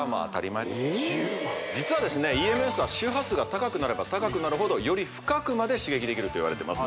ＥＭＳは周波数が高くなれば高くなるほどより深くまで刺激できるといわれてます